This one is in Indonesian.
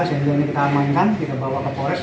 sehingga ini kita amankan kita bawa ke kores